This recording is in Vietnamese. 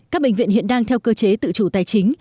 các bệnh viện hiện đang theo cơ chế tự chủ tài chính